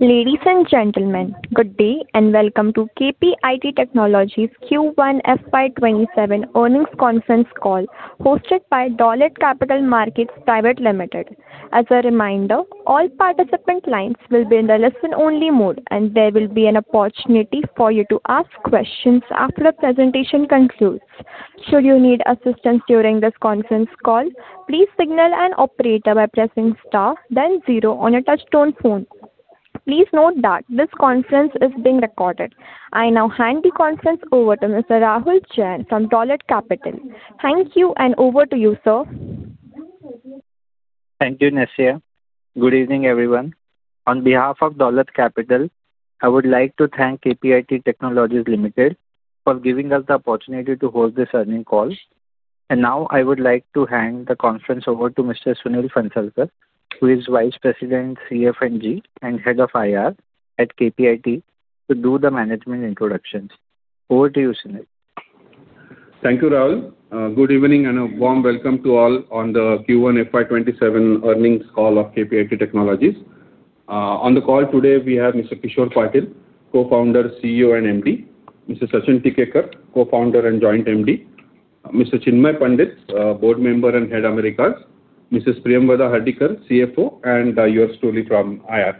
Ladies and gentlemen, good day and welcome to KPIT Technologies Q1 FY 2027 earnings conference call hosted by Dolat Capital Market Private Limited. As a reminder, all participant lines will be in the listen-only mode, and there will be an opportunity for you to ask questions after the presentation concludes. Should you need assistance during this conference call, please signal an operator by pressing star then zero on your touchtone phone. Please note that this conference is being recorded. I now hand the conference over to Mr. Rahul Jain from Dolat Capital. Thank you. Over to you, sir. Thank you, Nasia. Good evening, everyone. On behalf of Dolat Capital, I would like to thank KPIT Technologies Limited for giving us the opportunity to host this earnings call. Now I would like to hand the conference over to Mr. Sunil Phansalkar, who is Vice President, CF&G, and Head of IR at KPIT, to do the management introductions. Over to you, Sunil. Thank you, Rahul. Good evening, and a warm welcome to all on the Q1 FY 2027 earnings call of KPIT Technologies. On the call today we have Mr. Kishor Patil, Co-founder, CEO, and MD; Mr. Sachin Tikekar, Co-founder and Joint MD; Mr. Chinmay Pandit, Board Member and Head, Americas; Mrs. Priyamvada Hardikar, CFO; and yours truly from IR.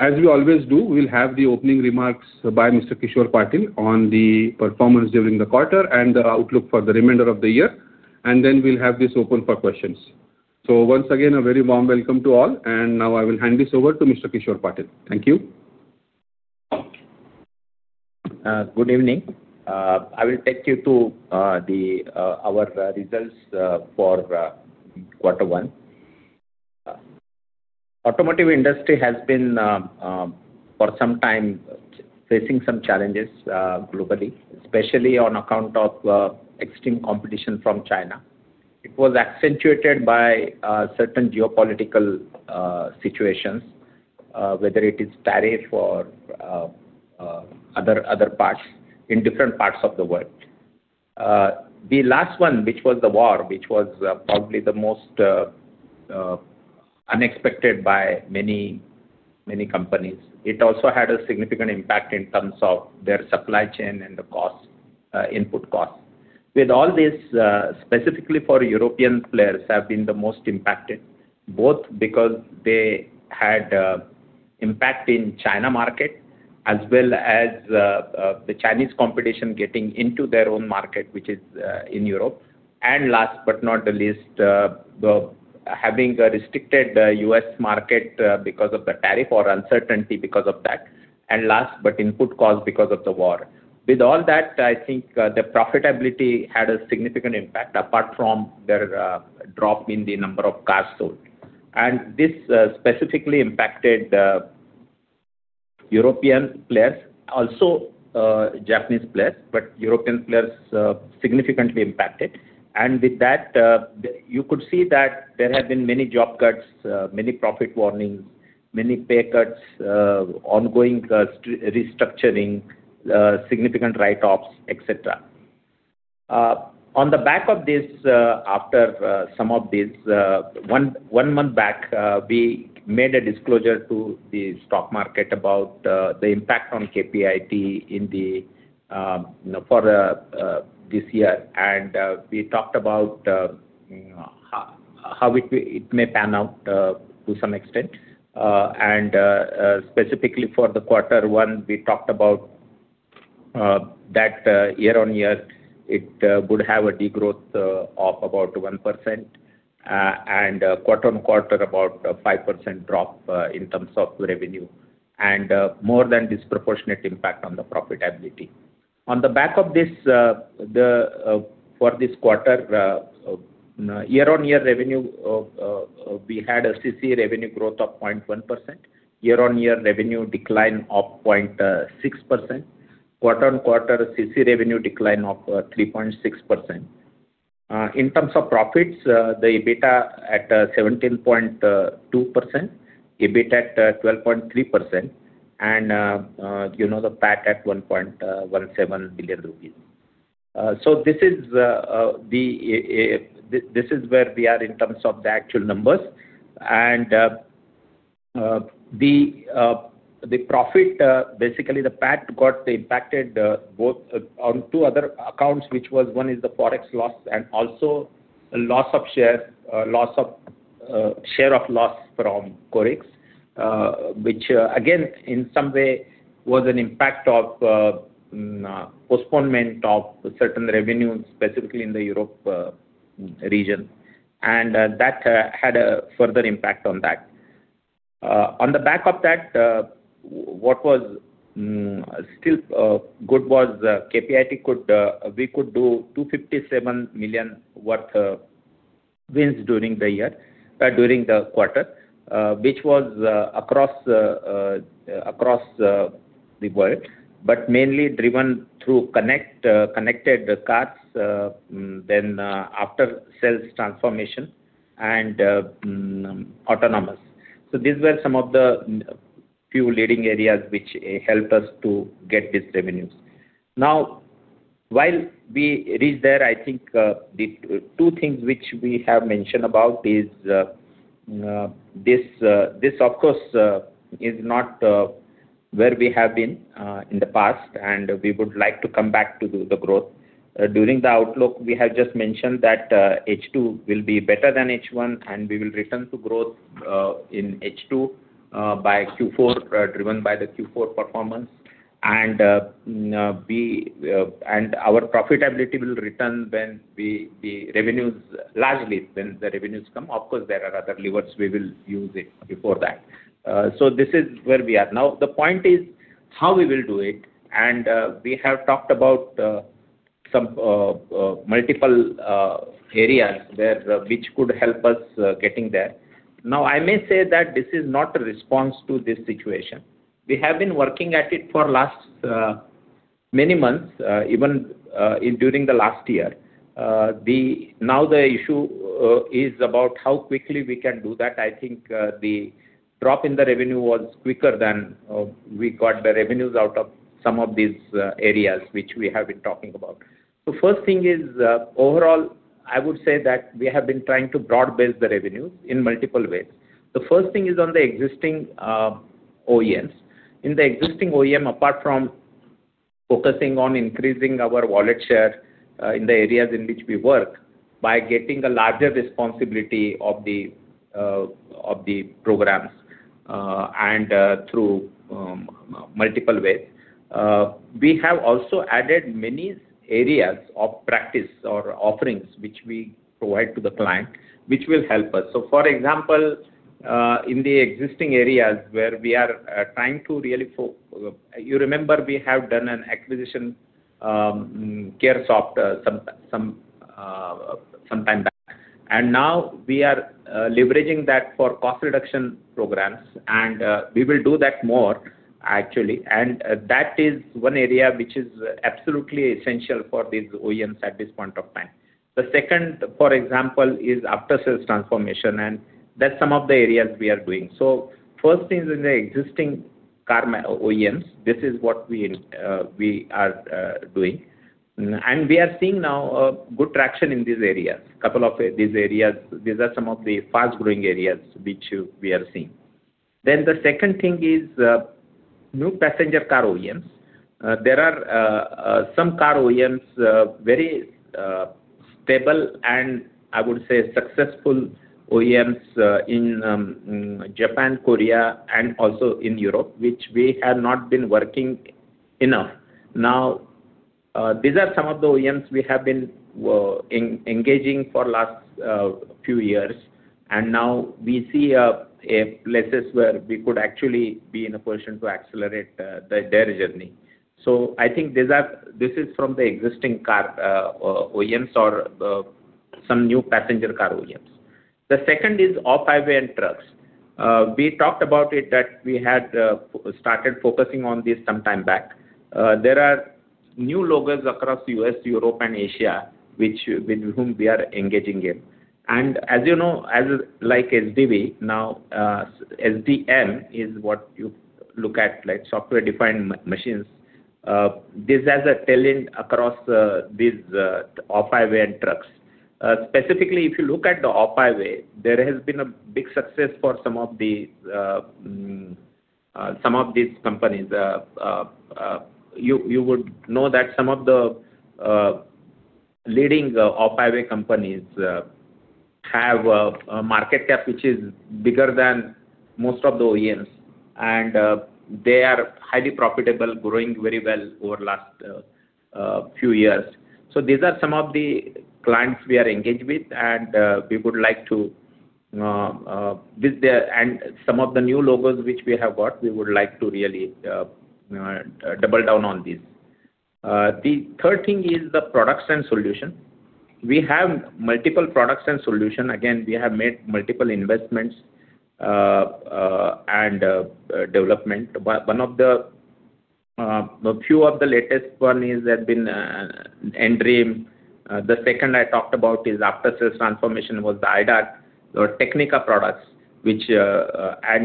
As we always do, we will have the opening remarks by Mr. Kishor Patil on the performance during the quarter and the outlook for the remainder of the year. Then we will have this open for questions. Once again, a very warm welcome to all. Now I will hand this over to Mr. Kishor Patil. Thank you. Good evening. I will take you to our results for quarter one. Automotive industry has been, for some time, facing some challenges globally, especially on account of extreme competition from China. It was accentuated by certain geopolitical situations, whether it is tariff or other parts in different parts of the world. The last one, which was the war, which was probably the most unexpected by many companies. It also had a significant impact in terms of their supply chain and the input costs. With all this, specifically for European players, have been the most impacted, both because they had impact in China market as well as the Chinese competition getting into their own market, which is in Europe. Last but not the least, having the restricted U.S. market because of the tariff or uncertainty because of that. Last, but input cost because of the war. With all that, I think the profitability had a significant impact, apart from their drop in the number of cars sold. This specifically impacted European players, also Japanese players. European players significantly impacted. With that, you could see that there have been many job cuts, many profit warnings, many pay cuts, ongoing restructuring, significant write-offs, etc. On the back of this, after some of this, one month back, we made a disclosure to the stock market about the impact on KPIT for this year. We talked about how it may pan out to some extent. Specifically for the quarter one, we talked about that year-over-year, it would have a degrowth of about 1%, and quarter-over-quarter, about 5% drop in terms of revenue, and more than disproportionate impact on the profitability. On the back of this, for this quarter, year-over-year revenue, we had a CC revenue growth of 0.1%, year-over-year revenue decline of 0.6%, quarter-over-quarter CC revenue decline of 3.6%. In terms of profits, the EBITDA at 17.2%, EBIT at 12.3%, and the PAT at 1.17 billion rupees. This is where we are in terms of the actual numbers. The profit, basically the PAT got impacted both on two other accounts, which was, one is the ForEx loss and also share of loss from Qorix, which again, in some way, was an impact of postponement of certain revenue, specifically in the Europe region. That had a further impact on that. On the back of that, what was still good was KPIT, we could do 257 million worth wins during the quarter which was across the world, but mainly driven through connected cars, then after-sales transformation and autonomous. These were some of the few leading areas which helped us to get these revenues. While we reach there, I think the two things which we have mentioned about is this, of course, is not where we have been in the past, and we would like to come back to the growth. During the outlook, we have just mentioned that H2 will be better than H1, and we will return to growth in H2 by Q4, driven by the Q4 performance. Our profitability will return largely when the revenues come. Of course, there are other levers we will use before that. This is where we are now. The point is how we will do it, we have talked about some multiple areas there which could help us getting there. I may say that this is not a response to this situation. We have been working at it for last many months, even during the last year. The issue is about how quickly we can do that. I think the drop in the revenue was quicker than we got the revenues out of some of these areas which we have been talking about. First thing is, overall, I would say that we have been trying to broad-base the revenue in multiple ways. The first thing is on the existing OEMs. In the existing OEM, apart from focusing on increasing our wallet share in the areas in which we work by getting a larger responsibility of the programs and through multiple ways. We have also added many areas of practice or offerings which we provide to the client, which will help us. For example, in the existing areas where we are trying to really You remember we have done an acquisition, Caresoft, some time back. Now we are leveraging that for cost reduction programs, and we will do that more, actually. That is one area which is absolutely essential for these OEMs at this point of time. The second, for example, is after-sales transformation, and that's some of the areas we are doing. First thing is in the existing car OEMs, this is what we are doing. We are seeing now a good traction in these areas. Couple of these areas, these are some of the fast-growing areas which we are seeing. The second thing is new passenger car OEMs. There are some car OEMs, very stable and I would say successful OEMs in Japan, Korea, and also in Europe, which we have not been working enough. These are some of the OEMs we have been engaging for last few years, and now we see places where we could actually be in a position to accelerate their journey. I think this is from the existing car OEMs or some new passenger car OEMs. The second is off-highway and trucks. We talked about it, that we had started focusing on this some time back. There are new logos across U.S., Europe, and Asia, with whom we are engaging in. As you know, like SDV, now SDM is what you look at, like software-defined machines. This has a talent across these off-highway and trucks. Specifically, if you look at the off-highway, there has been a big success for some of these companies. You would know that some of the leading off-highway companies have a market cap which is bigger than most of the OEMs, and they are highly profitable, growing very well over last few years. These are some of the clients we are engaged with, and we would like to visit there. Some of the new logos which we have got, we would like to really double down on these. The third thing is the products and solution. We have multiple products and solution. Again, we have made multiple investments and development. A few of the latest one is have been N-Dream. The second I talked about is after-sales transformation was the IDAT or Technica products, and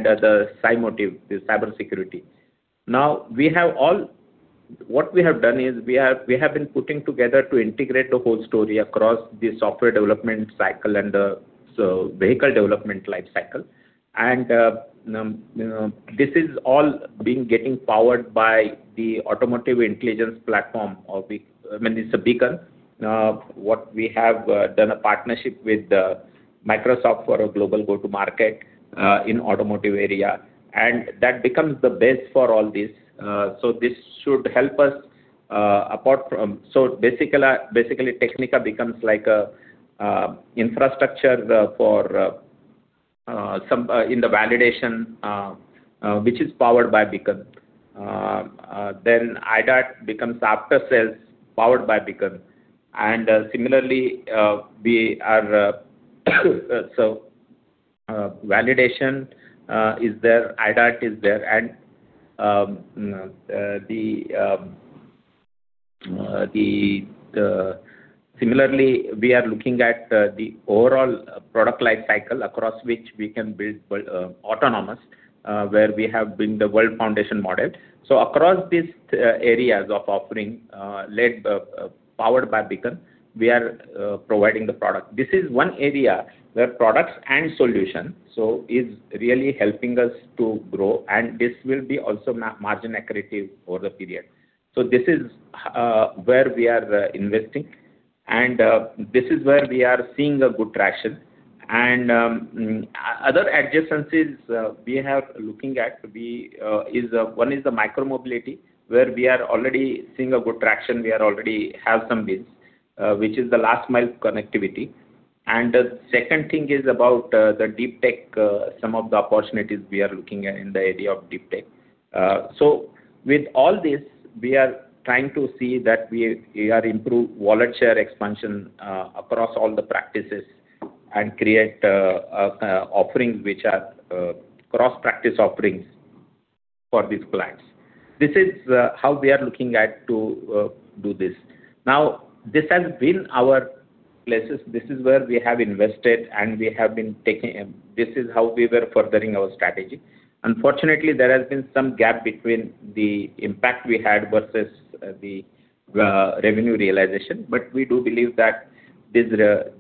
the Cymotive, the cybersecurity. What we have done is we have been putting together to integrate the whole story across the software development cycle and the vehicle development life cycle. This is all getting powered by the automotive intelligence platform, or I mean, it's a Beacon. What we have done a partnership with Microsoft for a global go-to-market in automotive area, that becomes the base for all this. This should help us. Basically, Technica becomes a infrastructure in the validation, which is powered by Beacon. IDAT becomes after-sales, powered by Beacon. Validation is there, IDAT is there. We are looking at the overall product life cycle across which we can build autonomous, where we have been the world foundation model. Across these areas of offering powered by Beacon, we are providing the product. This is one area where products and solution is really helping us to grow, this will be also margin accretive over the period. This is where we are investing, and this is where we are seeing a good traction. Other adjacencies we have looking at, one is the micro mobility where we are already seeing a good traction. We already have some wins, which is the last mile connectivity. The second thing is about the deep tech, some of the opportunities we are looking at in the area of deep tech. With all this, we are trying to see that we are improve wallet share expansion across all the practices and create offerings which are cross-practice offerings for these clients. This is how we are looking at to do this. Now, this has been our places. This is where we have invested, this is how we were furthering our strategy. Unfortunately, there has been some gap between the impact we had versus the revenue realization. We do believe that this will,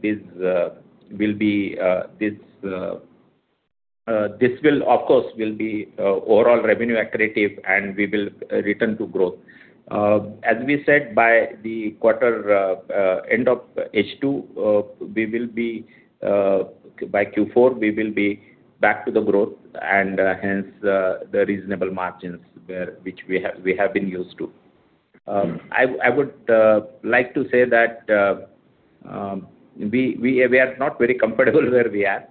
of course, be overall revenue accretive and we will return to growth. As we said, by the end of H2, by Q4, we will be back to the growth and hence the reasonable margins which we have been used to. I would like to say that we are not very comfortable where we are.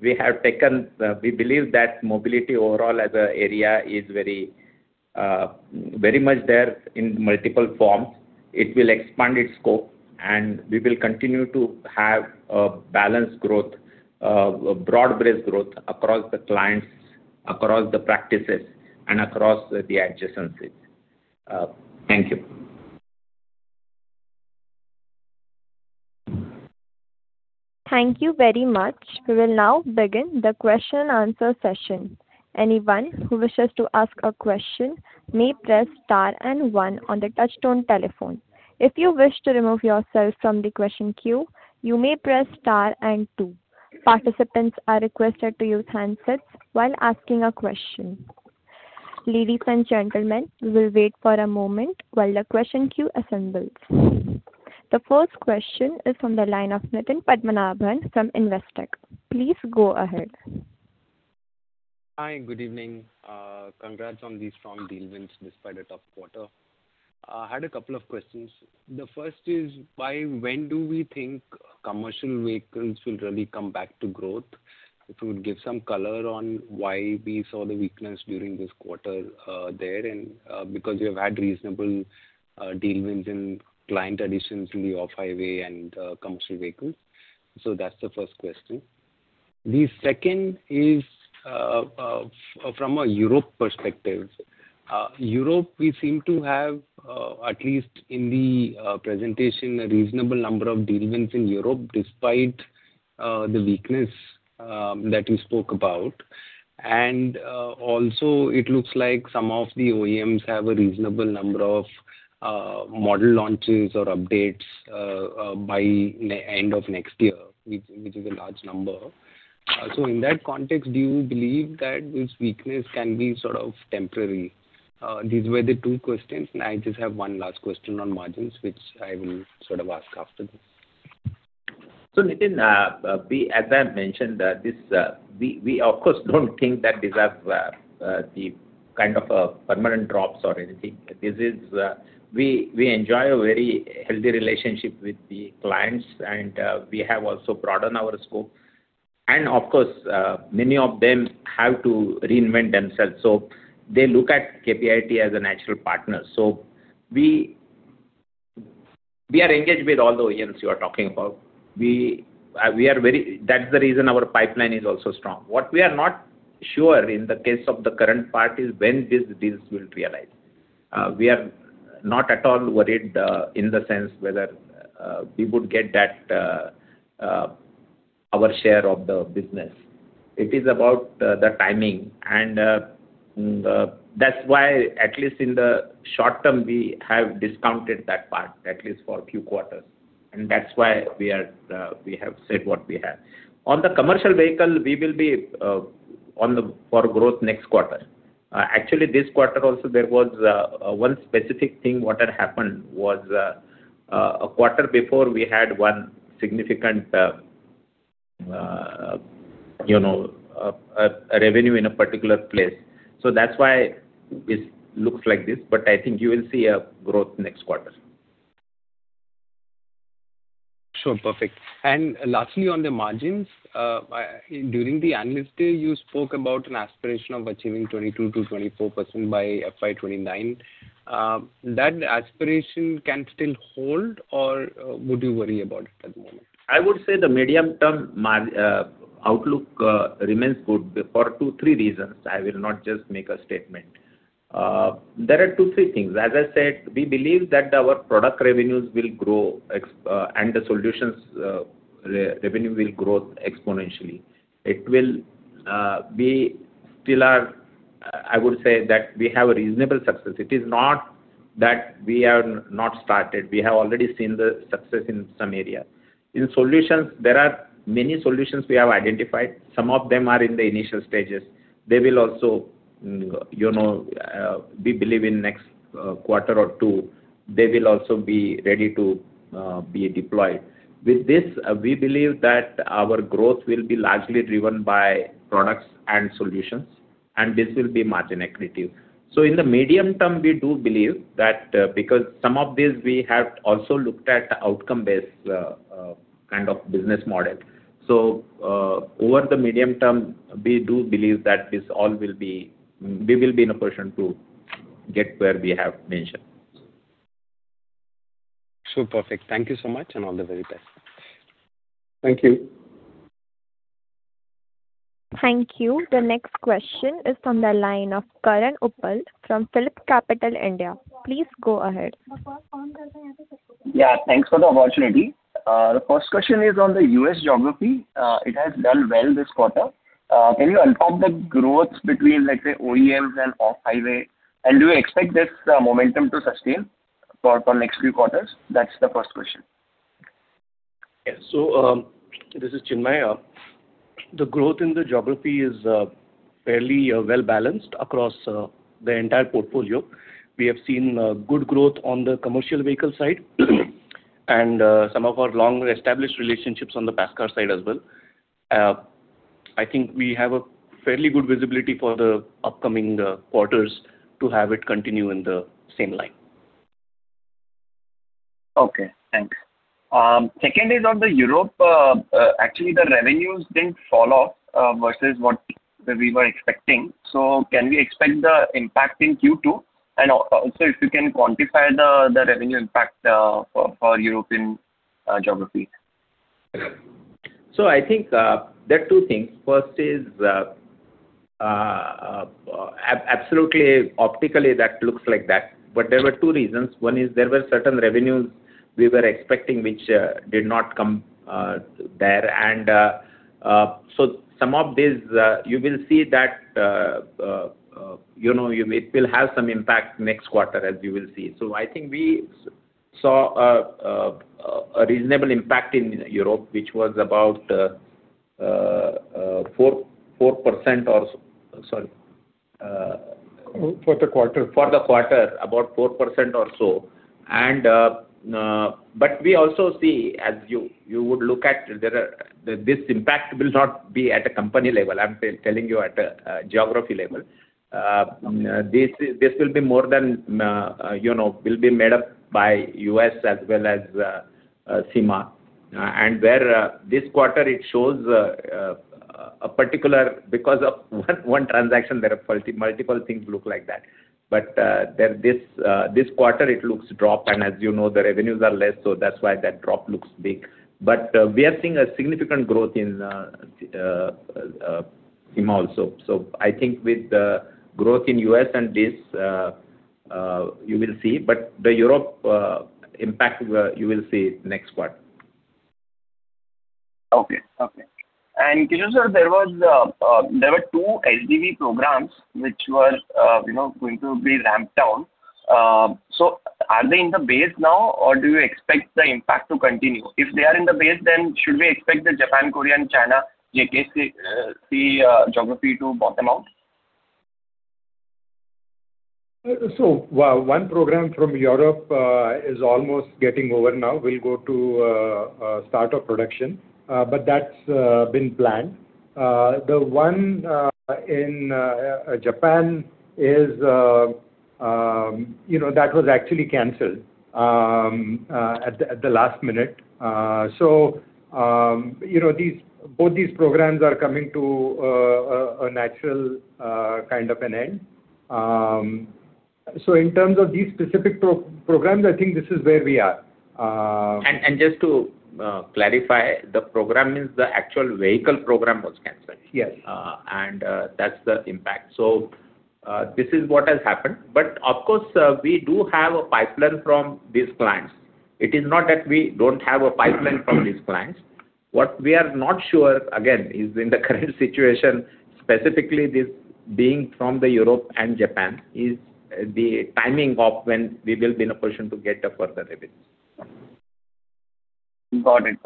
We believe that mobility overall as an area is very much there in multiple forms. It will expand its scope, we will continue to have a balanced growth, a broad-based growth across the clients, across the practices, and across the adjacencies. Thank you. Thank you very much. We will now begin the question and answer session. Anyone who wishes to ask a question may press star and one on the touchtone telephone. If you wish to remove yourself from the question queue, you may press star and two. Participants are requested to use handsets while asking a question. Ladies and gentlemen, we will wait for a moment while the question queue assembles. The first question is from the line of Nitin Padmanabhan from Investec. Please go ahead. Hi. Good evening. Congrats on the strong deal wins despite a tough quarter. I had a couple of questions. The first is, by when do we think commercial vehicles will really come back to growth? If you would give some color on why we saw the weakness during this quarter there, and because you have had reasonable deal wins in client additions in the off-highway and commercial vehicles. That's the first question. The second is from a Europe perspective. Europe, we seem to have, at least in the presentation, a reasonable number of deal wins in Europe despite the weakness that you spoke about. Also it looks like some of the OEMs have a reasonable number of model launches or updates by end of next year, which is a large number. In that context, do you believe that this weakness can be sort of temporary? These were the two questions. I just have one last question on margins, which I will sort of ask after this. Nitin, as I mentioned, we of course don't think that these are the kind of permanent drops or anything. We enjoy a very healthy relationship with the clients. We have also broadened our scope. Of course, many of them have to reinvent themselves, so they look at KPIT as a natural partner. We are engaged with all the OEMs you are talking about. That's the reason our pipeline is also strong. What we are not sure in the case of the current part is when these deals will realize. We are not at all worried in the sense whether we would get our share of the business. It is about the timing, and that's why, at least in the short term, we have discounted that part, at least for a few quarters. That's why we have said what we have. On the commercial vehicle, we will be for growth next quarter. Actually, this quarter also, there was one specific thing what had happened was, a quarter before we had one significant revenue in a particular place. That's why it looks like this. I think you will see a growth next quarter. Sure. Perfect. Lastly, on the margins, during the analyst day, you spoke about an aspiration of achieving 22%-24% by FY 2029. That aspiration can still hold or would you worry about it at the moment? I would say the medium-term outlook remains good for two, three reasons. I will not just make a statement. There are two, three things. As I said, we believe that our product revenues will grow, and the solutions revenue will grow exponentially. We still are, I would say that we have a reasonable success. It is not that we have not started. We have already seen the success in some areas. In solutions, there are many solutions we have identified. Some of them are in the initial stages. We believe in the next quarter or two, they will also be ready to be deployed. With this, we believe that our growth will be largely driven by products and solutions, and this will be margin accretive. In the medium term, we do believe that because some of this we have also looked at outcome-based kind of business model. Over the medium term, we do believe that we will be in a position to get where we have mentioned. Super, perfect. Thank you so much, and all the very best. Thank you. Thank you. The next question is from the line of Karan Uppal from PhillipCapital India. Please go ahead. Yeah. Thanks for the opportunity. The first question is on the U.S. geography. It has done well this quarter. Can you unpack the growth between, let's say, OEMs and off-highway, and do you expect this momentum to sustain for next few quarters? That's the first question. Yes. This is Chinmay. The growth in the geography is fairly well-balanced across the entire portfolio. We have seen good growth on the commercial vehicle side, and some of our long-established relationships on the passenger car side as well. I think we have a fairly good visibility for the upcoming quarters to have it continue in the same line. Okay, thanks. Second is on Europe. Actually, the revenues didn't fall off versus what we were expecting. Can we expect the impact in Q2? And also, if you can quantify the revenue impact for European geography. I think there are two things. First is, absolutely, optically, that looks like that. There were two reasons. One is there were certain revenues we were expecting, which did not come there. Some of this, you will see that it will have some impact next quarter as you will see. I think we saw a reasonable impact in Europe, which was about 4% or so. Sorry. For the quarter. For the quarter, about 4% or so. We also see, as you would look at, this impact will not be at a company level. I'm telling you at a geography level. This will be made up by U.S. as well as SEIMA. Where this quarter it shows a particular, because of one transaction, there are multiple things look like that. This quarter it looks drop, and as you know, the revenues are less, that's why that drop looks big. We are seeing a significant growth in SEIMA also. I think with the growth in U.S. and this, you will see, but the Europe impact, you will see next quarter. Okay. Kishor sir, there were two LGV programs which were going to be ramped down. Are they in the base now, or do you expect the impact to continue? If they are in the base, should we expect the Japan, Korea, and China geography to bottom out? One program from Europe is almost getting over now. We'll go to start of production. That's been planned. The one in Japan, that was actually canceled at the last minute. Both these programs are coming to a natural kind of an end. In terms of these specific programs, I think this is where we are. Just to clarify, the program means the actual vehicle program was canceled. Yes. That's the impact. This is what has happened. Of course, we do have a pipeline from these clients. It is not that we don't have a pipeline from these clients. What we are not sure, again, is in the current situation, specifically this being from Europe and Japan, is the timing of when we will be in a position to get further revenues. Got it.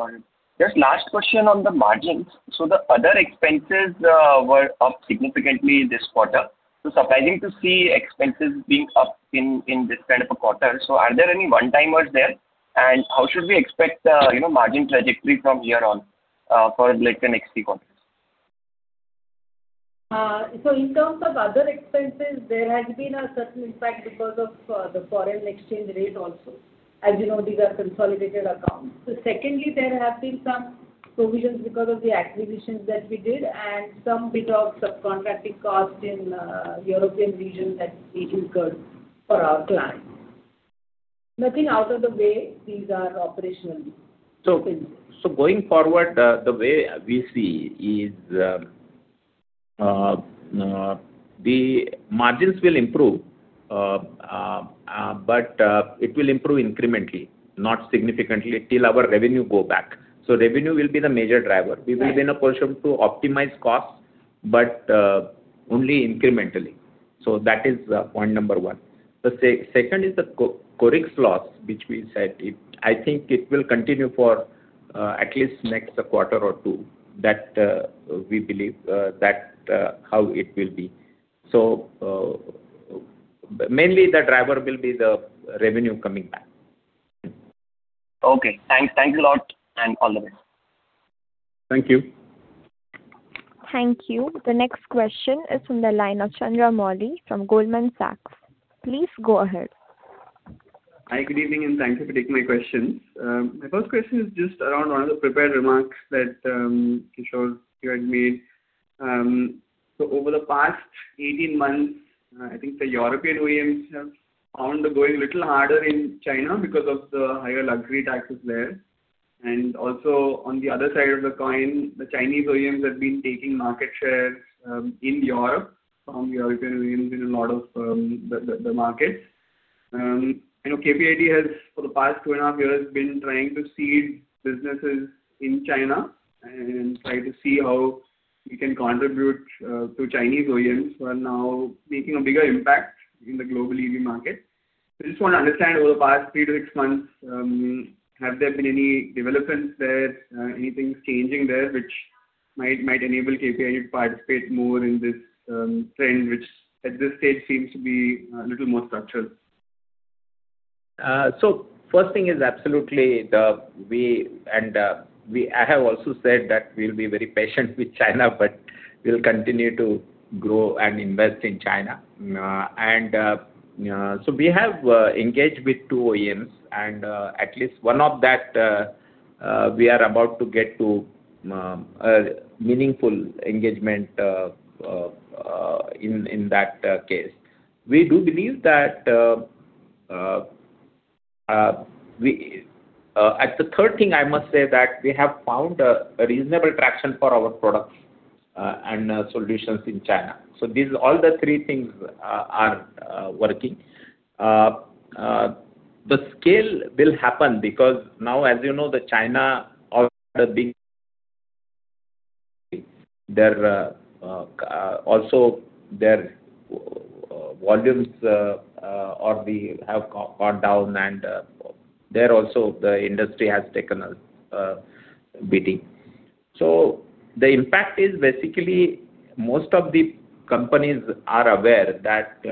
Just last question on the margins. The other expenses were up significantly this quarter. Surprising to see expenses being up in this kind of a quarter. Are there any one-timers there? How should we expect margin trajectory from here on for the next few quarters? In terms of other expenses, there has been a certain impact because of the foreign exchange rate also. As you know, these are consolidated accounts. Secondly, there have been some provisions because of the acquisitions that we did and some bit of subcontracting cost in European region that we incurred for our client. Nothing out of the way. These are operational. Going forward, the way we see is the margins will improve, but it will improve incrementally, not significantly till our revenue go back. Revenue will be the major driver. Right. We will be in a position to optimize costs, but only incrementally. That is point number one. The second is the Qorix loss, which we said, I think it will continue for at least next quarter or two. That we believe that's how it will be. Mainly the driver will be the revenue coming back. Okay. Thanks a lot and all the best. Thank you. Thank you. The next question is from the line of Chandra Muthiah from Goldman Sachs. Please go ahead. Hi, good evening and thanks for taking my questions. My first question is just around one of the prepared remarks that, Kishor, you had made. Over the past 18 months, I think the European OEMs have found the going little harder in China because of the higher luxury taxes there. Also on the other side of the coin, the Chinese OEMs have been taking market shares in Europe from the European OEMs in a lot of the markets. I know KPIT has, for the past two and a half years, been trying to seed businesses in China and try to see how we can contribute to Chinese OEMs who are now making a bigger impact in the global EV market. I just want to understand, over the past three to six months, have there been any developments there? Anything changing there which might enable KPIT to participate more in this trend, which at this stage seems to be a little more structured? First thing is absolutely, I have also said that we'll be very patient with China, but we'll continue to grow and invest in China. We have engaged with two OEMs and at least one of that, we are about to get to a meaningful engagement in that case. As a third thing, I must say that we have found a reasonable traction for our products and solutions in China. All the three things are working. The scale will happen because now as you know, China also their volumes have gone down and there also the industry has taken a beating. The impact is basically most of the companies are aware that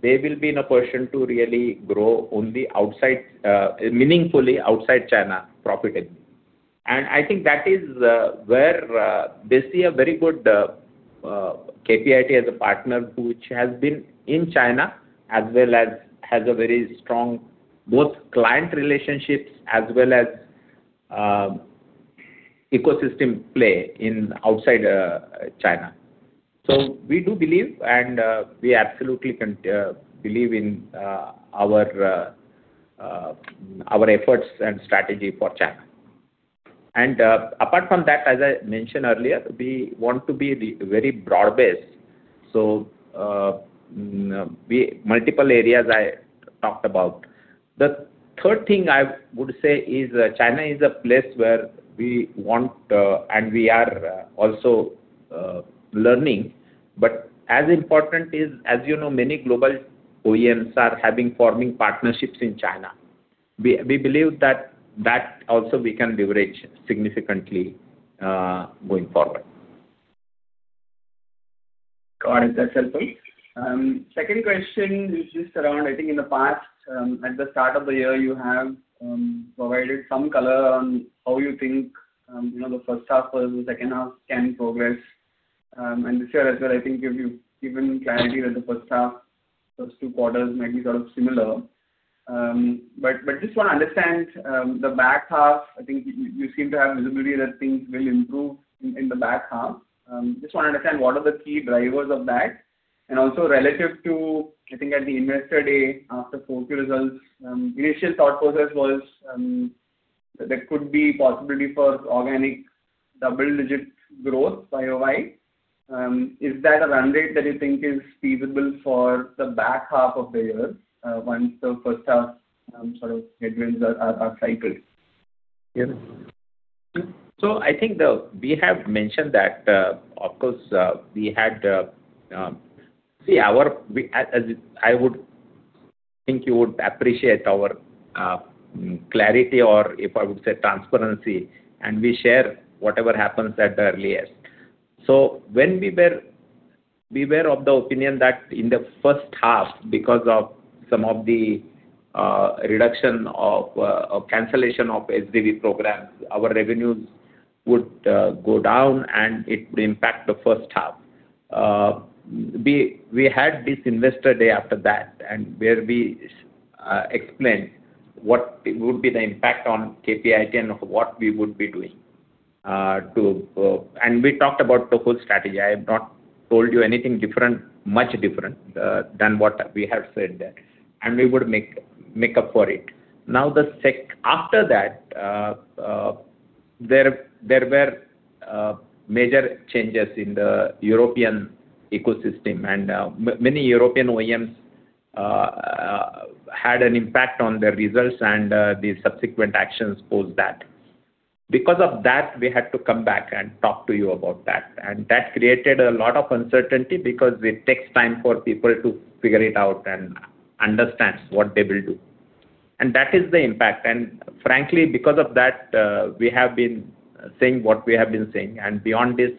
they will be in a position to really grow only meaningfully outside China profitably. I think that is where they see a very good KPIT as a partner which has been in China as well as has a very strong both client relationships as well as ecosystem play outside China. We do believe, and we absolutely believe in our efforts and strategy for China. Apart from that, as I mentioned earlier, we want to be very broad-based. Multiple areas I talked about. The third thing I would say is China is a place where we want, and we are also learning. As important is, as you know, many global OEMs are forming partnerships in China. We believe that also we can leverage significantly going forward. Got it. That's helpful. Second question is just around, I think in the past, at the start of the year, you have provided some color on how you think the first half versus second half can progress. This year as well, I think you've given clarity that the first half, those two quarters might be sort of similar. Just want to understand the back half. I think you seem to have visibility that things will improve in the back half. Just want to understand what are the key drivers of that and also relative to, I think at the Investor Day after Q4 results, initial thought process was there could be possibility for organic double-digit growth year-over-year. Is that a run rate that you think is feasible for the back half of the year, once the first half sort of headwinds are cycled? I think we have mentioned that, I would think you would appreciate our clarity or if I would say transparency and we share whatever happens at the earliest. When we were of the opinion that in the first half because of some of the reduction of cancellation of SDV programs, our revenues would go down and it would impact the first half. We had this Investor Day after that and where we explained what would be the impact on KPIT and what we would be doing. We talked about the whole strategy. I have not told you anything much different than what we have said there, and we would make up for it. Now, after that, there were major changes in the European ecosystem, and many European OEMs had an impact on their results and the subsequent actions post that. That created a lot of uncertainty because it takes time for people to figure it out and understand what they will do. That is the impact. Frankly, because of that, we have been saying what we have been saying. Beyond this,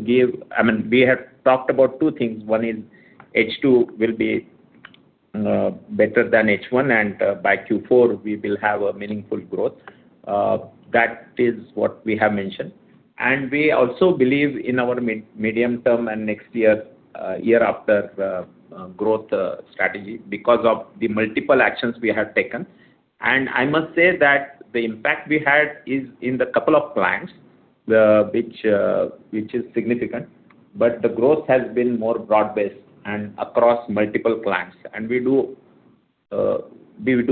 we have talked about two things. One is H2 will be better than H1, and by Q4 we will have a meaningful growth. That is what we have mentioned. We also believe in our medium term and next year after growth strategy because of the multiple actions we have taken. I must say that the impact we had is in the couple of clients which is significant, but the growth has been more broad-based and across multiple clients. We do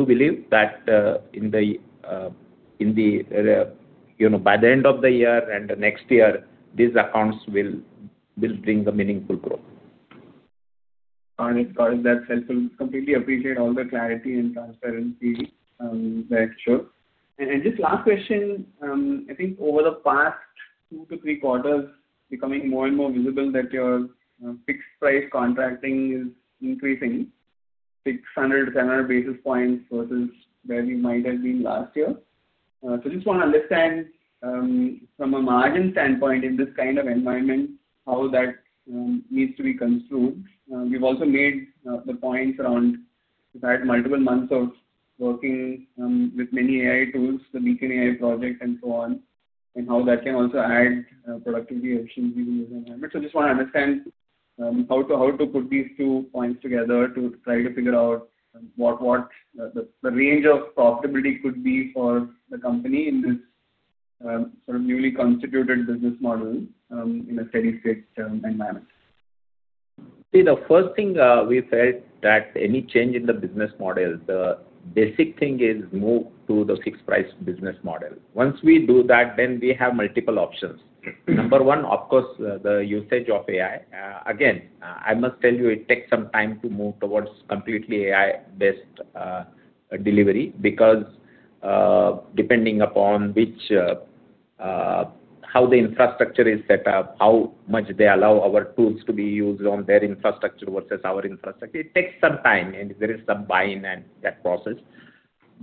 believe that by the end of the year and next year, these accounts will bring a meaningful growth. Got it. That's helpful. Completely appreciate all the clarity and transparency that you showed. Just last question. I think over the past two to three quarters, becoming more and more visible that your fixed price contracting is increasing 600 to 700 basis points versus where we might have been last year. Just want to understand, from a margin standpoint in this kind of environment, how that needs to be construed. We've also made the points around that multiple months of working with many AI tools, the Beacon AI project and so on, and how that can also add productivity, efficiency in this environment. Just want to understand how to put these two points together to try to figure out what the range of profitability could be for the company in this sort of newly constituted business model in a steady state environment. The first thing we said that any change in the business model, the basic thing is move to the fixed price business model. Once we do that, we have multiple options. Number one, of course, the usage of AI. Again, I must tell you, it takes some time to move towards completely AI-based delivery, because depending upon how the infrastructure is set up, how much they allow our tools to be used on their infrastructure versus our infrastructure, it takes some time, and there is some buy-in in that process.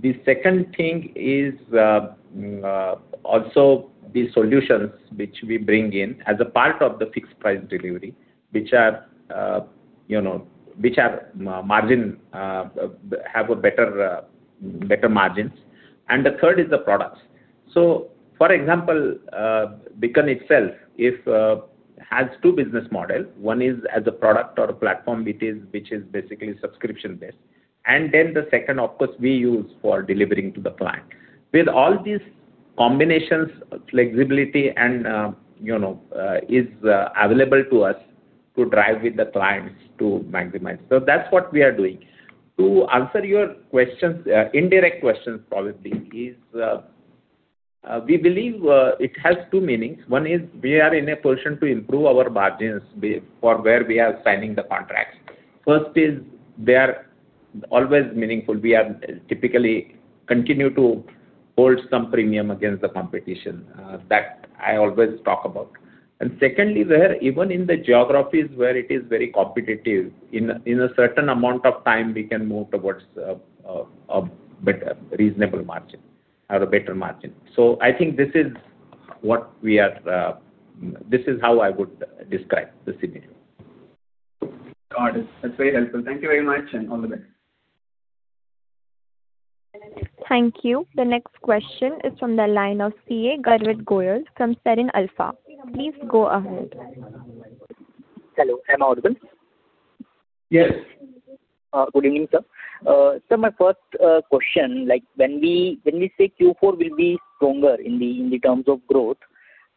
The second thing is also the solutions which we bring in as a part of the fixed price delivery, which have a better margins. The third is the products. For example, Beacon itself has two business model. One is as a product or a platform, which is basically subscription-based. The second, of course, we use for delivering to the client. With all these combinations, flexibility is available to us to drive with the clients to maximize. That's what we are doing. To answer your indirect question probably, is we believe it has two meanings. One is we are in a position to improve our margins for where we are signing the contracts. First is they are always meaningful. We typically continue to hold some premium against the competition, that I always talk about. Secondly, even in the geographies where it is very competitive, in a certain amount of time, we can move towards a reasonable margin or a better margin. I think this is how I would describe the scenario. Got it. That's very helpful. Thank you very much, and all the best. Thank you. The next question is from the line of CA. Garvit Goyal from Serene Alpha. Please go ahead. Hello, am I audible? Yes. Good evening, sir. Sir, my first question, when we say Q4 will be stronger in the terms of growth,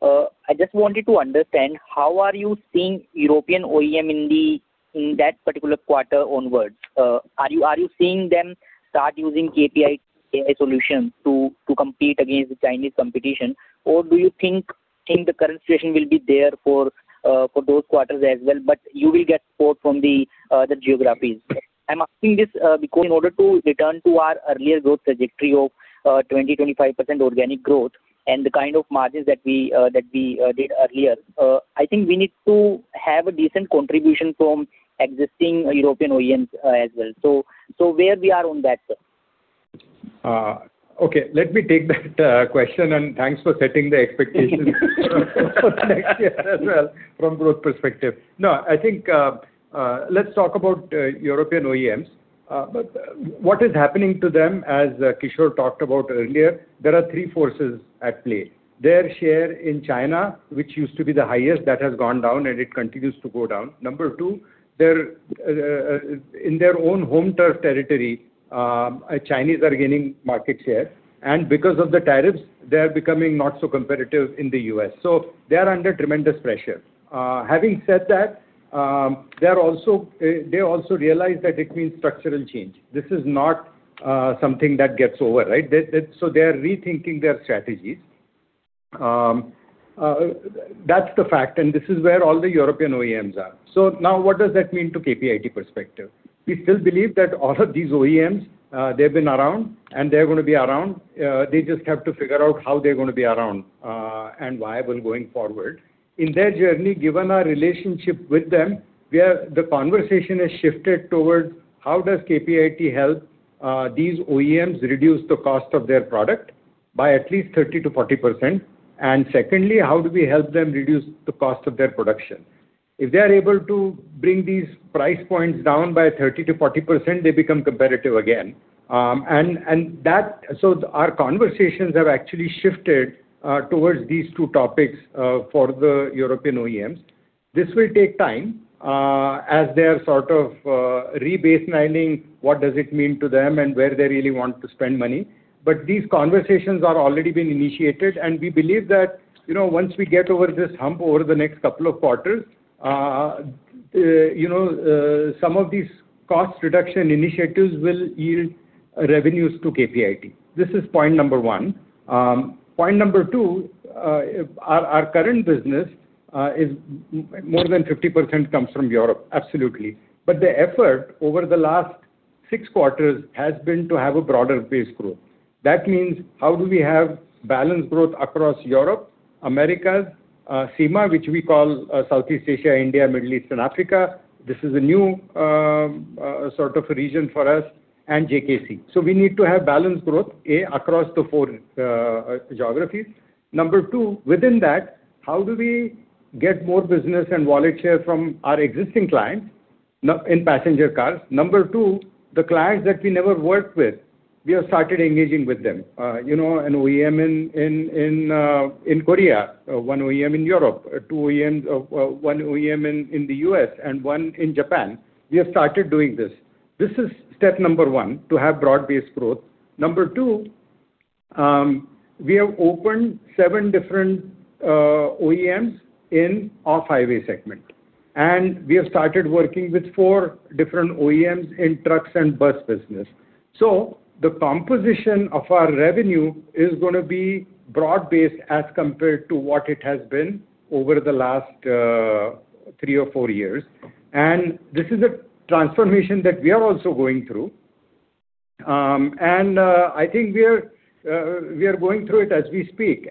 I just wanted to understand how are you seeing European OEM in that particular quarter onwards. Are you seeing them start using KPIT AI solutions to compete against the Chinese competition, or do you think the current situation will be there for those quarters as well, but you will get support from the other geographies? I am asking this because in order to return to our earlier growth trajectory of 20%-25% organic growth and the kind of margins that we did earlier, I think we need to have a decent contribution from existing European OEMs as well. Where we are on that, sir? Let me take that question, and thanks for setting the expectations for next year as well from growth perspective. I think let's talk about European OEMs. What is happening to them, as Kishor talked about earlier, there are three forces at play. Their share in China, which used to be the highest, that has gone down and it continues to go down. Number two, in their own home turf territory, Chinese are gaining market share. And because of the tariffs, they are becoming not so competitive in the U.S. They are under tremendous pressure. Having said that, they also realize that it means structural change. This is not something that gets over, right? They are rethinking their strategies. That's the fact, and this is where all the European OEMs are. Now what does that mean to KPIT perspective? We still believe that all of these OEMs, they've been around, and they're going to be around. They just have to figure out how they're going to be around and viable going forward. In their journey, given our relationship with them, the conversation has shifted toward how does KPIT help these OEMs reduce the cost of their product by at least 30%-40%? Secondly, how do we help them reduce the cost of their production? If they are able to bring these price points down by 30%-40%, they become competitive again. Our conversations have actually shifted towards these two topics for the European OEMs. This will take time as they are sort of re-baselining what does it mean to them and where they really want to spend money. These conversations are already being initiated, and we believe that once we get over this hump over the next couple of quarters, some of these cost reduction initiatives will yield revenues to KPIT. This is point number one. Point number two, our current business is more than 50% comes from Europe, absolutely. The effort over the last six quarters has been to have a broader base growth. That means how do we have balanced growth across Europe, Americas, SEIMA, which we call Southeast Asia, India, Middle East, and Africa. This is a new sort of region for us and JKC. We need to have balanced growth, A, across the four geographies. Number two, within that, how do we get more business and wallet share from our existing clients in passenger cars? Number two, the clients that we never worked with, we have started engaging with them. An OEM in Korea, one OEM in Europe, one OEM in the U.S. and one in Japan. We have started doing this. This is step number one to have broad-based growth. Number two, we have opened seven different OEMs in off-highway segment, and we have started working with four different OEMs in trucks and bus business. The composition of our revenue is going to be broad-based as compared to what it has been over the last three or four years. This is a transformation that we are also going through. I think we are going through it as we speak.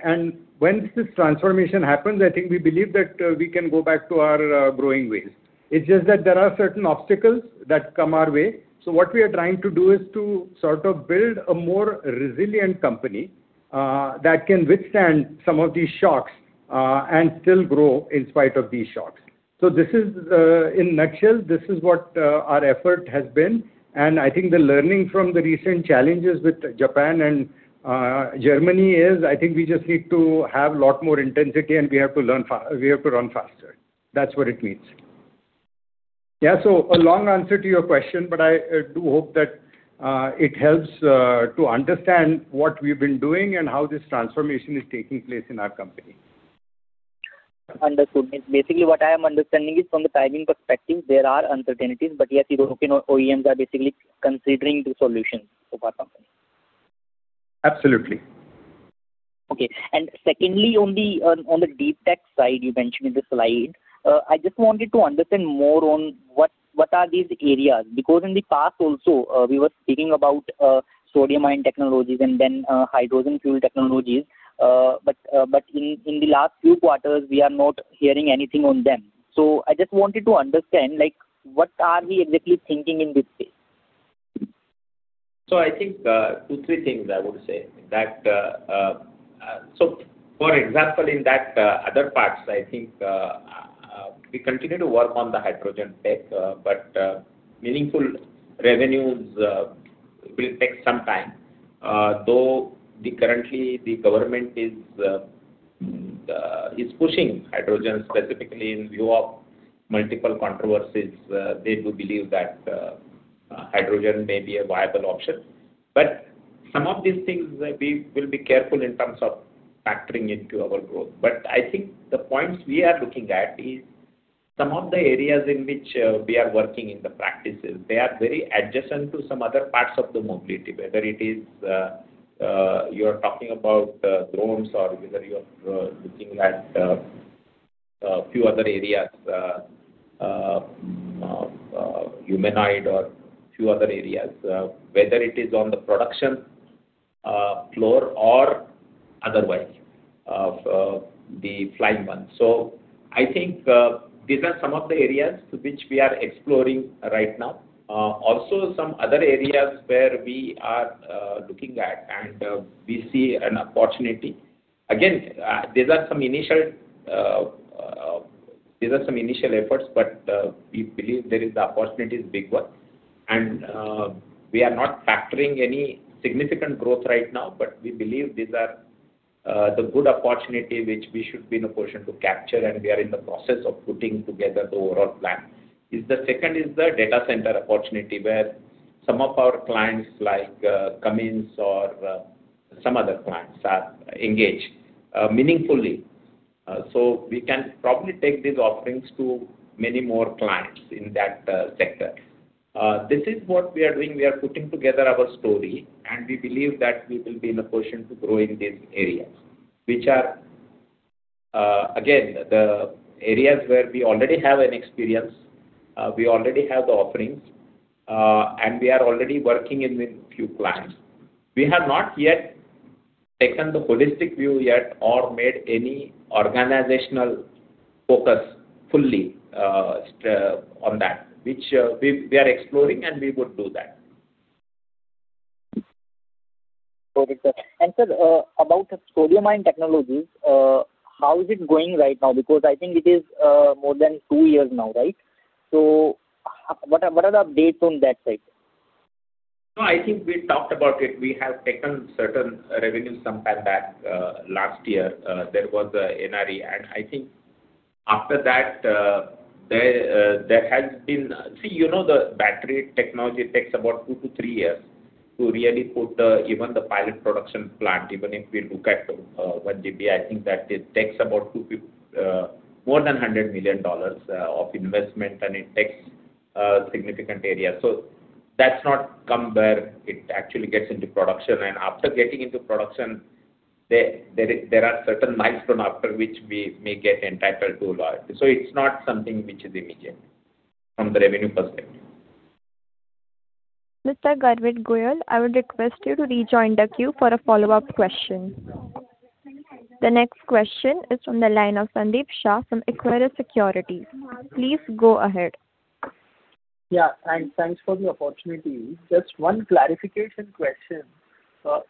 Once this transformation happens, I think we believe that we can go back to our growing ways. It's just that there are certain obstacles that come our way. What we are trying to do is to sort of build a more resilient company that can withstand some of these shocks and still grow in spite of these shocks. In a nutshell, this is what our effort has been, and I think the learning from the recent challenges with Japan and Germany is, I think we just need to have a lot more intensity, and we have to run faster. That's what it means. A long answer to your question, I do hope that it helps to understand what we've been doing and how this transformation is taking place in our company. Understood. Basically, what I am understanding is from the timing perspective, there are uncertainties, but yes, the European OEMs are basically considering the solutions of our company. Absolutely. Okay. Secondly, on the deep tech side, you mentioned in the slide. I just wanted to understand more on what are these areas, because in the past also, we were speaking about sodium ion technologies and hydrogen fuel technologies. In the last few quarters, we are not hearing anything on them. I just wanted to understand, what are we exactly thinking in this space? I think two, three things I would say. For example, in that other parts, I think we continue to work on the hydrogen tech, but meaningful revenues will take some time. Though currently, the government is pushing hydrogen specifically in view of multiple controversies. They do believe that hydrogen may be a viable option. Some of these things we will be careful in terms of factoring into our growth. I think the points we are looking at is some of the areas in which we are working in the practices, they are very adjacent to some other parts of the mobility, whether it is you're talking about drones or whether you are looking at a few other areas, humanoid or few other areas, whether it is on the production floor or otherwise, the flying one. I think these are some of the areas which we are exploring right now. Also some other areas where we are looking at and we see an opportunity. Again, these are some initial efforts, but we believe the opportunity is a big one. We are not factoring any significant growth right now, but we believe these are the good opportunity which we should be in a position to capture, and we are in the process of putting together the overall plan. The second is the data center opportunity, where some of our clients, like Cummins or some other clients, are engaged meaningfully. We can probably take these offerings to many more clients in that sector. This is what we are doing. We are putting together our story, and we believe that we will be in a position to grow in these areas, which are, again, the areas where we already have an experience, we already have the offerings, and we are already working with a few clients. We have not yet taken the holistic view yet or made any organizational focus fully on that, which we are exploring, and we would do that. Correct, sir. Sir, about the Sterion Mind Technologies, how is it going right now? I think it is more than two years now, right? What are the updates on that side? No, I think we talked about it. We have taken certain revenue sometime back last year. There was an NRE. I think after that, there has been See, the battery technology takes about two to three years to really put even the pilot production plant. Even if we look at 1 GWh, I think that it takes about more than INR 100 million of investment, and it takes a significant area. That's not come where it actually gets into production. After getting into production, there are certain milestones after which we may get entitled to. It's not something which is immediate from the revenue perspective. Mr. Garvit Goyal, I would request you to rejoin the queue for a follow-up question. The next question is from the line of Sandeep Shah from Equirus Securities. Please go ahead. Yeah. Thanks for the opportunity. Just one clarification question.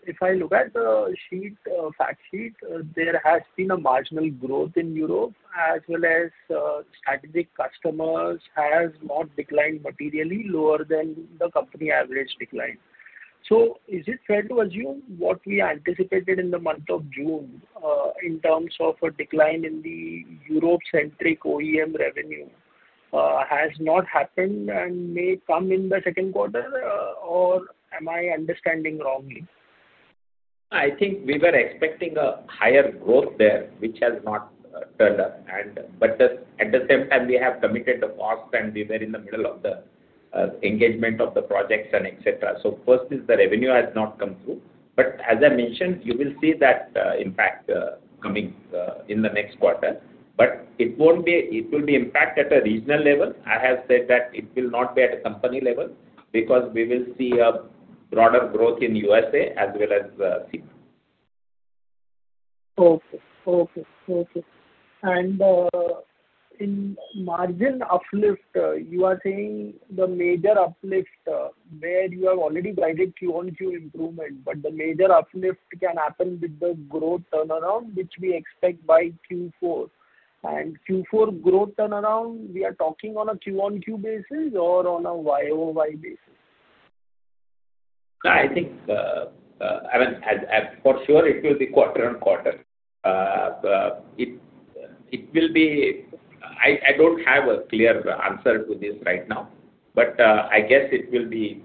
If I look at the fact sheet, there has been a marginal growth in Europe as well as strategic customers has not declined materially lower than the company average decline. Is it fair to assume what we anticipated in the month of June in terms of a decline in the Europe-centric OEM revenue has not happened and may come in the second quarter, or am I understanding wrongly? I think we were expecting a higher growth there, which has not turned up. At the same time, we have committed the costs, and we were in the middle of the engagement of the projects and etc. First is the revenue has not come through. As I mentioned, you will see that impact coming in the next quarter. It will be impact at a regional level. I have said that it will not be at a company level because we will see a broader growth in U.S.A. as well as SEIMA. Okay. In margin uplift, you are saying the major uplift where you have already guided Q1 two improvement, the major uplift can happen with the growth turnaround, which we expect by Q4. Q4 growth turnaround, we are talking on a quarter-over-quarter basis or on a year-over-year basis? I think, for sure, it will be quarter-over-quarter. I don't have a clear answer to this right now, I guess it will be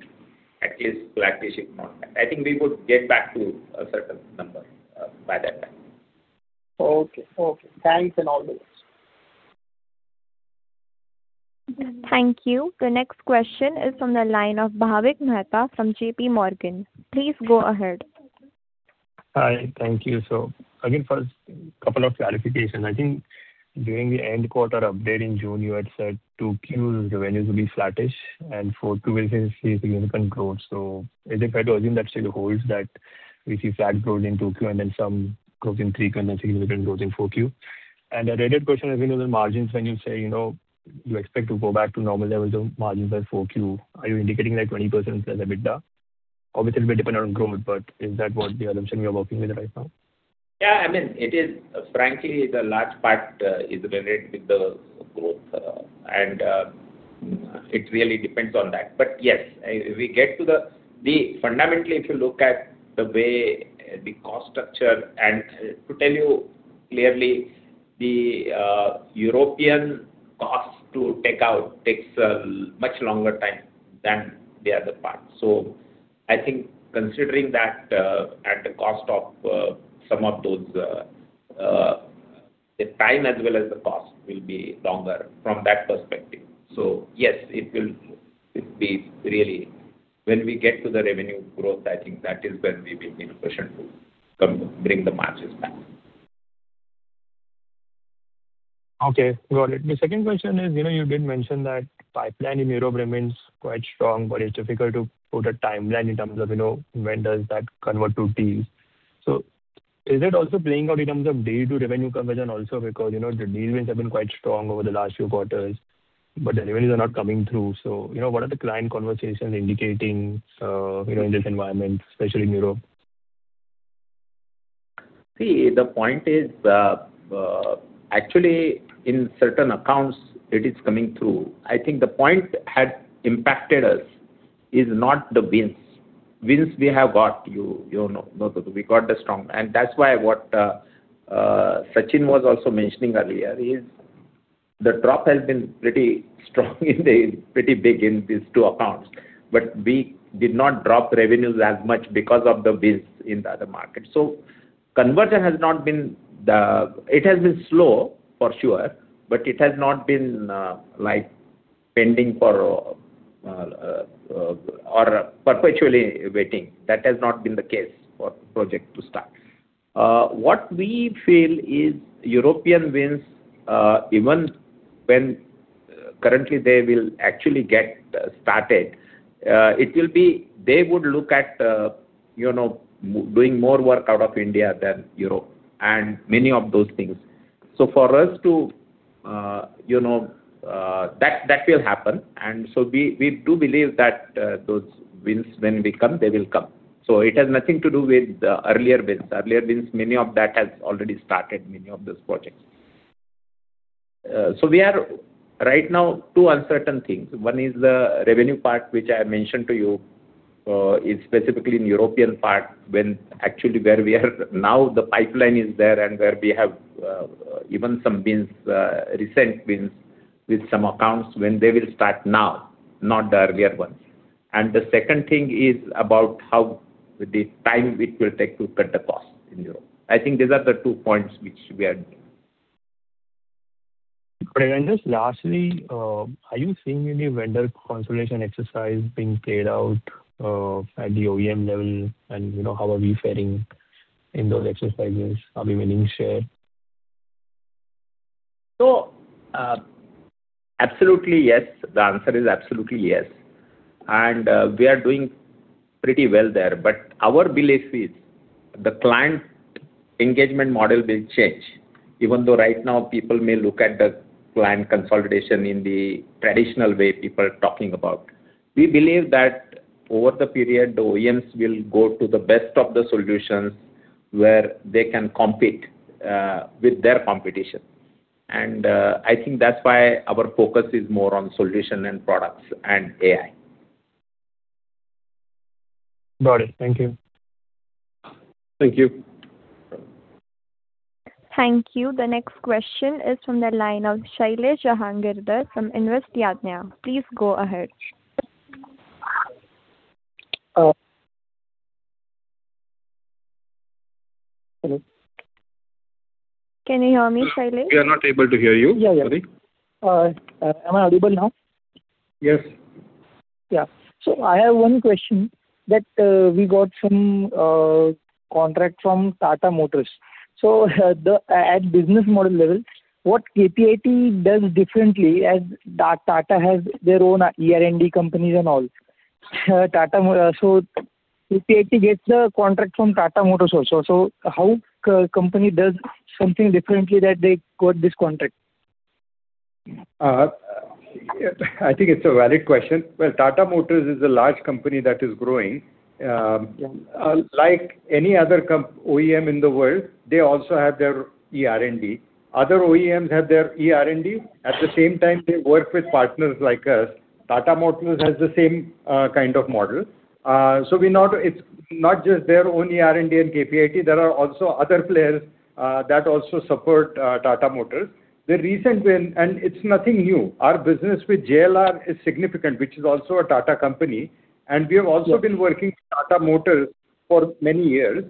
at least blackish in momentum. I think we could get back to a certain number by that time. Okay. Thanks on all those. Thank you. The next question is from the line of Bhavik Mehta from JPMorgan. Please go ahead. Hi. Thank you. Again, first couple of clarifications. I think during the end quarter update in June, you had said 2Q revenues will be flattish and 4Q will see significant growth. Is it fair to assume that still holds, that we see flat growth in 2Q and then some growth in 3Q and then significant growth in 4Q? A related question has been on the margins when you say you expect to go back to normal levels of margins by 4Q. Are you indicating like 20% as EBITDA? Obviously, it will depend on growth, but is that what the assumption you are working with right now? Frankly, the large part is related with the growth. It really depends on that. Yes, fundamentally, if you look at the way the cost structure, to tell you clearly, the European cost to take out takes a much longer time than the other parts. I think considering that at the cost of some of those, the time as well as the cost will be longer from that perspective. Yes, it will be really when we get to the revenue growth, I think that is when we will be in a position to bring the margins back. Got it. The second question is, you did mention that pipeline in Europe remains quite strong, but it's difficult to put a timeline in terms of when does that convert to deals. Is it also playing out in terms of day-to-revenue conversion also because the deals have been quite strong over the last few quarters, but the revenues are not coming through. What are the client conversations indicating in this environment, especially in Europe? The point is, actually, in certain accounts, it is coming through. I think the point had impacted us is not the wins. Wins we have got, you know. We got the strong. That's why what Sachin was also mentioning earlier is the drop has been pretty strong in the pretty big in these two accounts. We did not drop revenues as much because of the wins in the other market. Conversion, it has been slow for sure, but it has not been pending or perpetually waiting. That has not been the case for project to start. What we feel is European wins, even when currently they will actually get started, they would look at doing more work out of India than Europe and many of those things. That will happen, we do believe that those wins, when they come, they will come. It has nothing to do with the earlier wins. Earlier wins, many of that has already started, many of those projects. We are right now two uncertain things. One is the revenue part, which I mentioned to you, is specifically in European part, when actually where we are now, the pipeline is there and where we have even some recent wins with some accounts when they will start now, not the earlier ones. The second thing is about how the time it will take to cut the cost in Europe. I think these are the two points which we are doing. Just lastly, are you seeing any vendor consolidation exercise being played out at the OEM level, and how are we faring in those exercises? Are we winning share? Absolutely yes. The answer is absolutely yes. We are doing pretty well there. Our belief is the client engagement model will change, even though right now people may look at the client consolidation in the traditional way people are talking about. We believe that over the period, the OEMs will go to the best of the solutions where they can compete with their competition. I think that's why our focus is more on solution and products and AI. Got it. Thank you. Thank you. Thank you. The next question is from the line of Shailesh Jahagirdar from InvestYadnya. Please go ahead. Hello. Can you hear me, Shailesh? We are not able to hear you. Sorry. Yeah. Am I audible now? Yes. Yeah. I have one question that we got some contract from Tata Motors. At business model level, what KPIT does differently, as Tata has their own e-R&D companies and all. KPIT gets the contract from Tata Motors also. How company does something differently that they got this contract? I think it's a valid question. Well, Tata Motors is a large company that is growing. Yeah. Like any other OEM in the world, they also have their e-R&D. Other OEMs have their e-R&D. At the same time, they work with partners like us. Tata Motors has the same kind of model. It's not just their own e-R&D and KPIT. There are also other players that also support Tata Motors. It's nothing new. Our business with JLR is significant, which is also a Tata company, and we have also been working with Tata Motors for many years.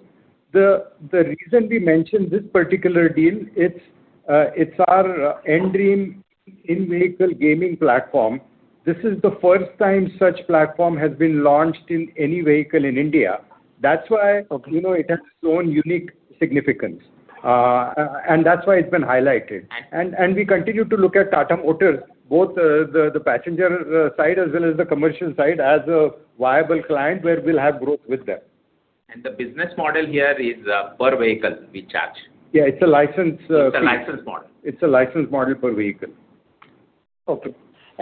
The reason we mentioned this particular deal, it's our N-Dream in-vehicle gaming platform. This is the first time such platform has been launched in any vehicle in India. That's why. Okay it has its own unique significance, and that's why it's been highlighted. We continue to look at Tata Motors, both the passenger side as well as the commercial side, as a viable client where we'll have growth with them. The business model here is per vehicle, we charge. Yeah, it's a license. It's a license model. It's a license model per vehicle. Okay.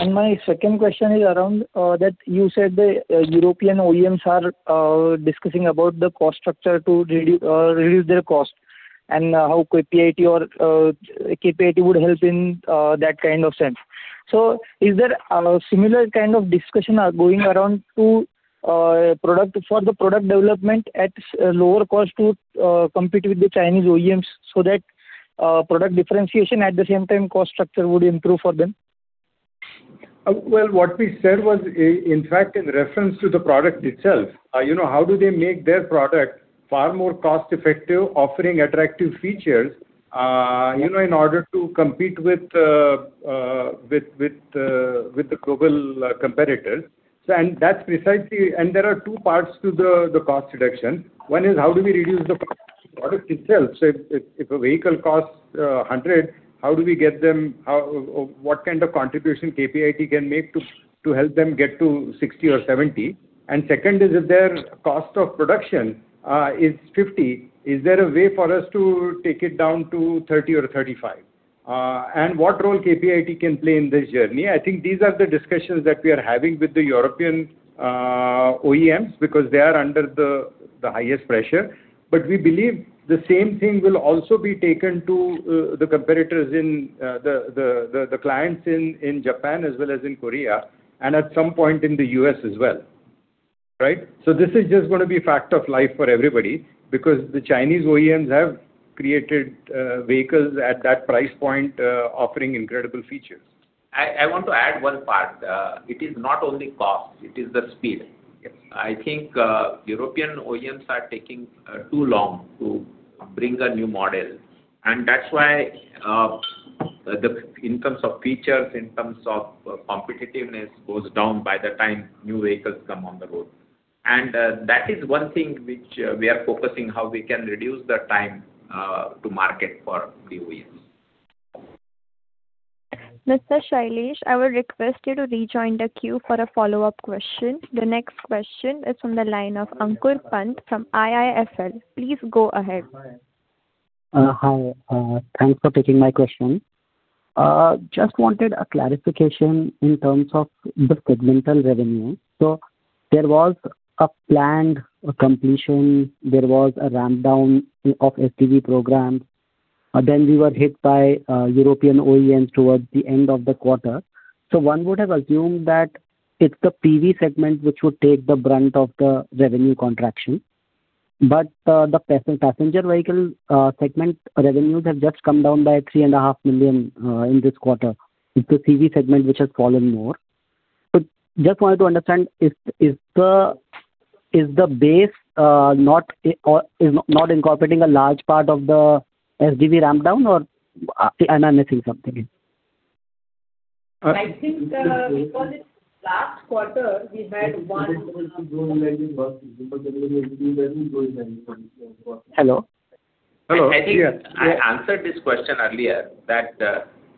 My second question is around that you said the European OEMs are discussing about the cost structure to reduce their cost and how KPIT would help in that kind of sense. Is there a similar kind of discussion are going around for the product development at lower cost to compete with the Chinese OEMs so that product differentiation, at the same time, cost structure would improve for them? Well, what we said was, in fact, in reference to the product itself. How do they make their product far more cost-effective, offering attractive features in order to compete with the global competitors? There are two parts to the cost reduction. One is how do we reduce the product itself? If a vehicle costs 100, what kind of contribution KPIT can make to help them get to 60 or 70? Second is, if their cost of production is 50, is there a way for us to take it down to 30 or 35? What role KPIT can play in this journey? I think these are the discussions that we are having with the European OEMs because they are under the highest pressure. We believe the same thing will also be taken to the clients in Japan as well as in Korea and at some point in the U.S. as well. This is just going to be a fact of life for everybody because the Chinese OEMs have created vehicles at that price point offering incredible features. I want to add one part. It is not only cost, it is the speed. Yes. I think European OEMs are taking too long to bring a new model and that's why in terms of features, in terms of competitiveness goes down by the time new vehicles come on the road. That is one thing which we are focusing, how we can reduce the time to market for the OEMs. Mr. Shailesh, I would request you to rejoin the queue for a follow-up question. The next question is from the line of Ankur Pant from IIFL. Please go ahead. Thanks for taking my question. Just wanted a clarification in terms of the segmental revenue. There was a planned completion, there was a ramp down of SDV programs, and then we were hit by European OEMs towards the end of the quarter. One would have assumed that it's the PV segment which would take the brunt of the revenue contraction. The passenger vehicle segment revenues have just come down by 3.5 million in this quarter. It's the CV segment which has fallen more. Just wanted to understand, is the base not incorporating a large part of the SDV ramp down or am I missing something here? I think because last quarter we had one- Hello? Hello. Yes. I think I answered this question earlier that.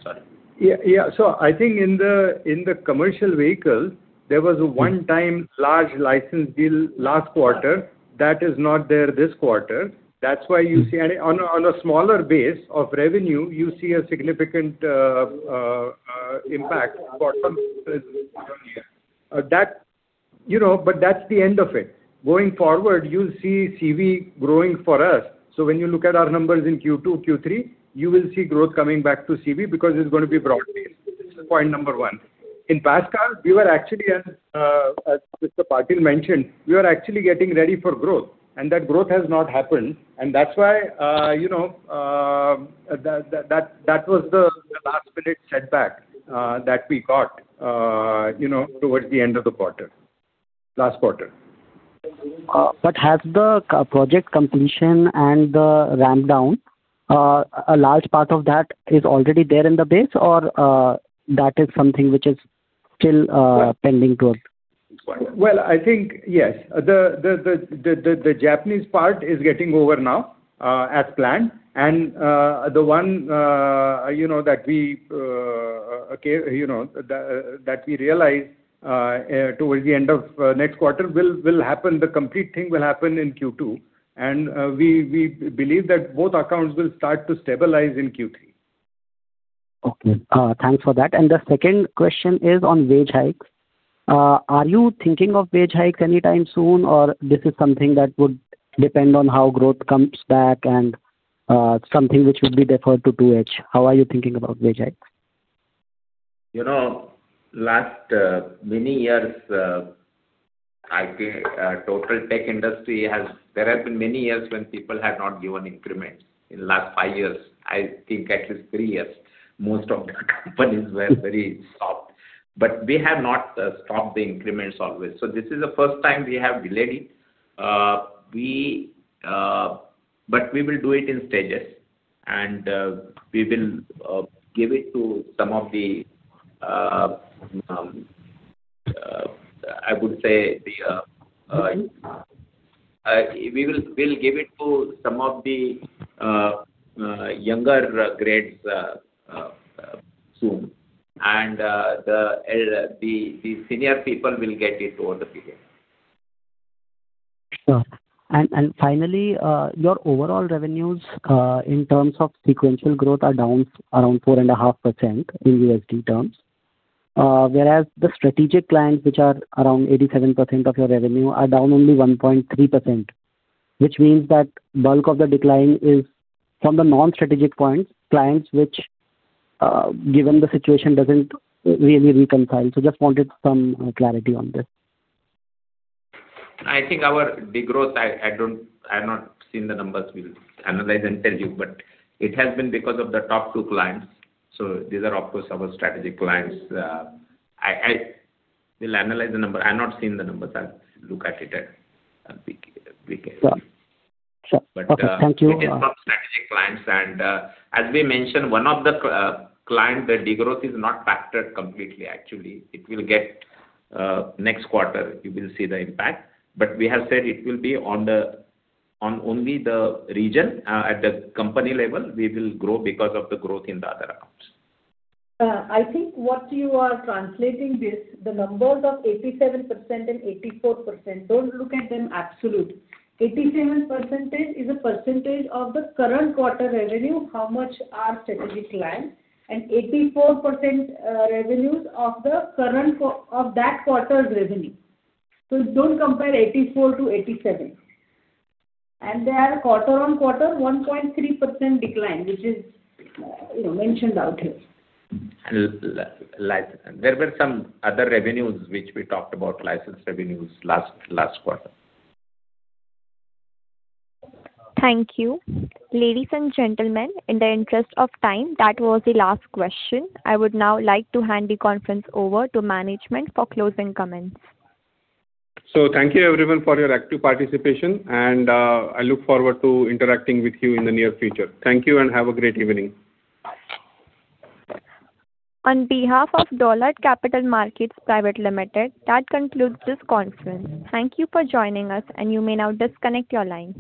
Sorry. Yeah. I think in the commercial vehicle, there was a one-time large license deal last quarter that is not there this quarter. That's why on a smaller base of revenue, you see a significant impact bottom here. That's the end of it. Going forward, you'll see CV growing for us. When you look at our numbers in Q2, Q3, you will see growth coming back to CV because it's going to be broadly institution, point number one. In PassCar, as Mr. Patil mentioned, we were actually getting ready for growth and that growth has not happened and that's why that was the last-minute setback that we got towards the end of the quarter, last quarter. Has the project completion and the ramp down, a large part of that is already there in the base or that is something which is still pending to us? Well, I think yes. The Japanese part is getting over now as planned and the one that we realized towards the end of next quarter will happen. The complete thing will happen in Q2 and we believe that both accounts will start to stabilize in Q3. Okay. Thanks for that. The second question is on wage hikes. Are you thinking of wage hikes anytime soon or this is something that would depend on how growth comes back and something which would be deferred to H2? How are you thinking about wage hikes? You know, last many years, I think there have been many years when people have not given increments in last five years. I think at least three years most of the companies were very soft. We have not stopped the increments always. This is the first time we have delayed it. We will do it in stages and we will give it to some of the younger grades soon and the senior people will get it over the period. Finally, your overall revenues in terms of sequential growth are down around 4.5% in USD terms. Whereas the strategic clients which are around 87% of your revenue are down only 1.3%, which means that bulk of the decline is from the non-strategic clients which given the situation doesn't really reconcile. Just wanted some clarity on this. I think our degrowth, I have not seen the numbers. We'll analyze and tell you, it has been because of the top two clients. These are of course our strategic clients. We'll analyze the number. I've not seen the numbers. I'll look at it and we can see. Sure. Okay, thank you. It is from strategic clients, as we mentioned, one of the client, the degrowth is not factored completely actually. It will get next quarter you will see the impact. We have said it will be on only the region. At the company level we will grow because of the growth in the other accounts. I think what you are translating this, the numbers of 87% and 84%, don't look at them absolute. 87% is a percentage of the current quarter revenue, how much are strategic clients and 84% revenues of that quarter's revenue. Don't compare 84%-87%. They are quarter-on-quarter 1.3% decline which is mentioned out here. There were some other revenues which we talked about license revenues last quarter. Thank you. Ladies and gentlemen, in the interest of time, that was the last question. I would now like to hand the conference over to management for closing comments. Thank you everyone for your active participation and I look forward to interacting with you in the near future. Thank you and have a great evening. On behalf of Dolat Capital Market Private Limited, that concludes this conference. Thank you for joining us and you may now disconnect your lines.